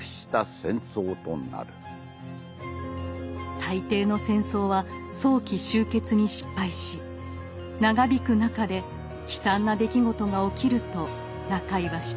大抵の戦争は早期終結に失敗し長引く中で悲惨な出来事が起きると中井は指摘。